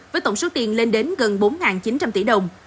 với tổng số tiền lên đến gần bốn chín trăm linh tỷ đồng